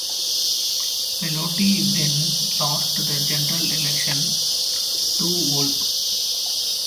Bellotti then lost the general election to Volpe.